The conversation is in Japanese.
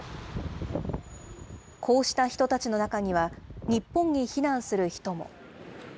こうした人たちの中には、日本に避難する人も。